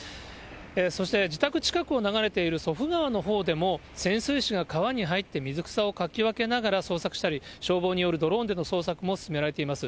そして自宅近くを流れている祖父川のほうでも潜水士が川に入って、水草をかき分けながら、捜索したり、消防によるドローンでの捜索も行われています。